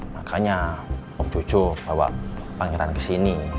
makanya om cucu bawa pangeran ke sini